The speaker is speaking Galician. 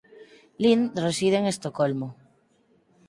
Lind reside en Estocolmo.